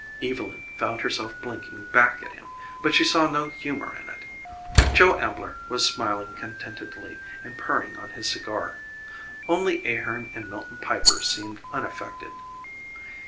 Evylyn found herself blinking back at him, but she saw no humor in it. Joe Ambler was smiling contentedly and purring on his cigar. Only Ahearn and Milton Piper seemed unaffected.